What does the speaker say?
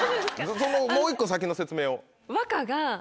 そのもう１個先の説明を。